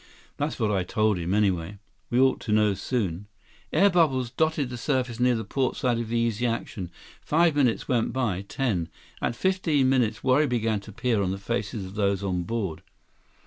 That's what I told him, anyway." "We ought to know soon." Air bubbles dotted the surface near the port side of the Easy Action. Five minutes went by. Ten. At fifteen minutes, worry began to appear on the faces of those on board.